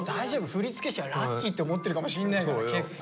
振付師はラッキーって思ってるかもしんないから結構。